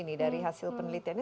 ini dari hasil penelitiannya